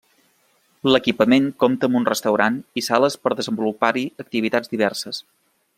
L’equipament compta amb un restaurant i sales per a desenvolupar-hi activitats diverses.